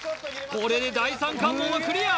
これで第三関門はクリア